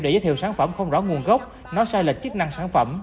để giới thiệu sản phẩm không rõ nguồn gốc nói sai lệch chức năng sản phẩm